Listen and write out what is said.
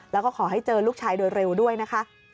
แล้วก็ขอให้เจอลูกชายโดยเร็วด้วยนะคะ